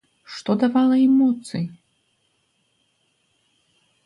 Што давала ім моцы?